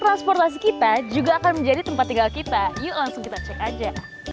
transportasi kita juga akan menjadi tempat tinggal kita yuk langsung kita cek aja